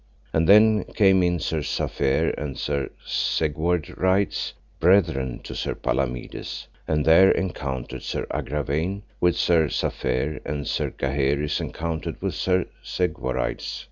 And then came in Sir Safere and Sir Segwarides, brethren to Sir Palamides; and there encountered Sir Agravaine with Sir Safere and Sir Gaheris encountered with Sir Segwarides.